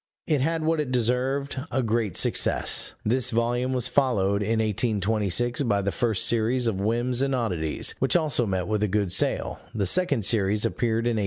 It had what it deserved, a great success. This volume was followed, in 1826, by the first series of Whims and Oddities, which also met with a good sale; the second series appeared in 1827.